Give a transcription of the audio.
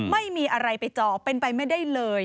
ไม่มีอะไรไปจอเป็นไปไม่ได้เลย